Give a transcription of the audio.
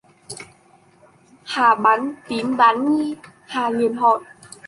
hà Bán tín bán Nghi Hà liền hỏi